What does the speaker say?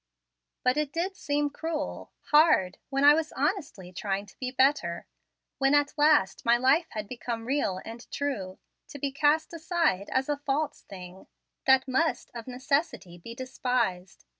But it did seem cruel, hard, when I was honestly trying to be better when, at last, my life had become real and true to be cast aside as a false thing, that must, of necessity, be despised.